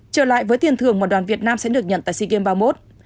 trở lại với tiền thường mà đoàn việt nam sẽ được nhận tại sea games ba mươi một